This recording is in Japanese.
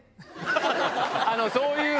そういう。